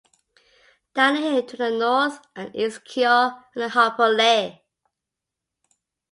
Down the hill to the north are East Kyo and Harperley.